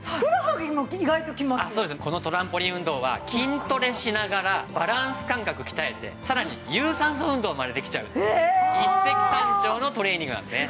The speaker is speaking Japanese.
このトランポリン運動は筋トレしながらバランス感覚を鍛えてさらに有酸素運動までできちゃうっていう一石三鳥のトレーニングなんですね。